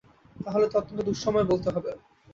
তা হলে তো অত্যন্ত দুঃসময় বলতে হবে।